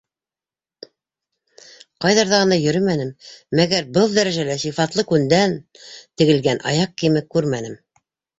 Ҡайҙарҙа ғына йөрөмәнем - мәгәр был дәрәжәлә сифатлы күндән тегелгән аяҡ кейеме күрмәнем.